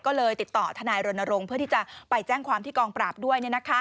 ก็เลยติดต่อทนายรณรงค์เพื่อที่จะไปแจ้งความที่กองปราบด้วย